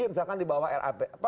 misalkan dibawah rap